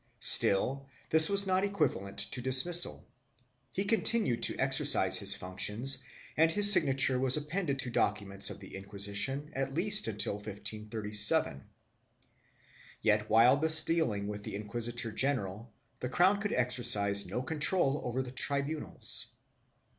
Still, this was not equivalent to dismissal; he con tinued to exercise his functions and his signature is appended to documents of the Inquisition at least until 1537.1 Yet while thus dealing with the inquisitor general the crown could exercise no control over the tribunals.